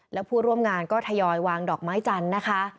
และผู้ร่วมงานก็ทยอยวางดอกไม้จันทร์นะคะ